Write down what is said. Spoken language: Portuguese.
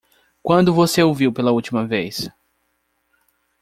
Quando você o viu pela última vez?